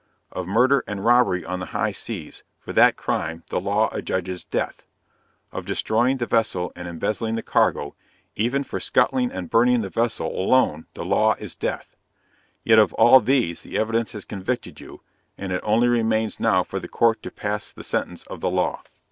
of murder and robbery on the high seas, for that crime, the law adjudges DEATH of destroying the vessel and embezzling the cargo, even for scuttling and burning the vessel alone the law is DEATH; yet of all these the evidence has convicted you, and it only remains now for the Court to pass the sentence of the law.